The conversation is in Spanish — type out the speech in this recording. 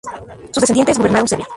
Sus descendientes gobernaron Serbia.